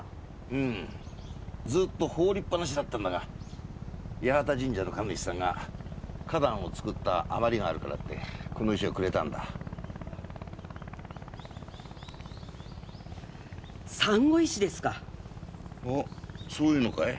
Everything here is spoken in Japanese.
うんずっと放りっぱなしだったんだが八幡神社の神主さんが花壇を作った余りがあるからってこの石をくれたんだサンゴ石ですかそういうのかい？